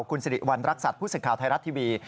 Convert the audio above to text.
คุณสิริวัณรักษัตริย์ผู้สื่อข่าวไทยรัฐทีวี